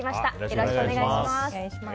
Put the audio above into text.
よろしくお願いします。